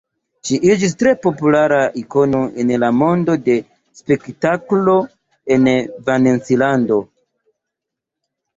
Ŝi iĝis tre populara ikono en la mondo de la spektaklo en Valencilando.